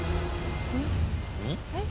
えっ？